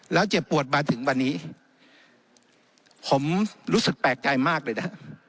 แล้วเจ็บปวดมาถึงวันนี้ผมรู้สึกแปลกใจมากเลยนะฮะ